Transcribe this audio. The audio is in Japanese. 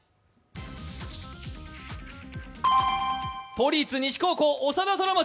都立西高校、長田虎松！